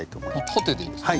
縦でいいんですか？